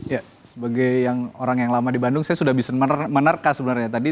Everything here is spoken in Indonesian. ya sebagai orang yang lama di bandung saya sudah bisa menerka sebenarnya tadi